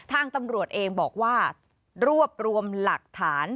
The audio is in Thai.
ทางตำรวจเองบอกว่ารวบรวมหลักฐาน